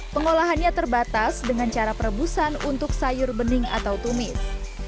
pengolahannya terbatas dengan cara perebusan untuk sayur bening atau tumis